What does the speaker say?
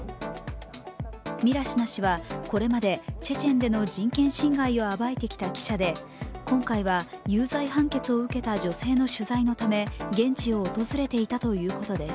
ミラシナ氏はこれまでチェチェンでの人権侵害をあばいてきた記者で今回は有罪判決を受けた女性の取材のため現地を訪れていたということです。